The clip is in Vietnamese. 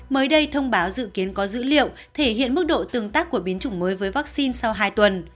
mới đây thông báo dự kiến có dữ liệu thể hiện mức độ tương tác của biến chủng mới với vaccine sau hai tuần